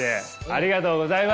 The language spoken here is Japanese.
ありがとうございます。